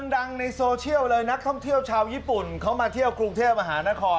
ดังในโซเชียลเลยนักท่องเที่ยวชาวญี่ปุ่นเขามาเที่ยวกรุงเทพมหานคร